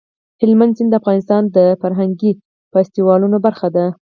هلمند سیند د افغانستان د فرهنګي فستیوالونو برخه ده.